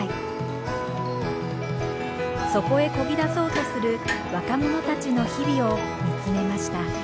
そこへこぎ出そうとする若者たちの日々を見つめました。